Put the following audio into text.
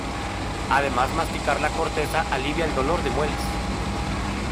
Además masticar la corteza alivia el dolor de muelas.